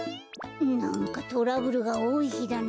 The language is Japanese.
なんかトラブルがおおいひだな。